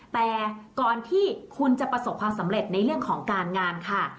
แต่ก่อนที่คุณจะประสบความสำเร็จในเรื่องของการงานค่ะ